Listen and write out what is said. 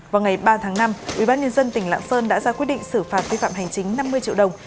vào ngày ba tháng năm ubnd tỉnh lạng sơn đã ra quyết định xử phạt vi phạm hành chính năm mươi triệu đồng